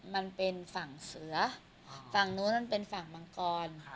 มันเป็นฝั่งเสือฝั่งนู้นมันเป็นฝั่งมังกร